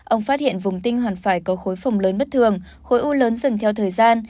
ông phát hiện vùng tinh hoàn phải có khối phòng lớn bất thường khối u lớn dần theo thời gian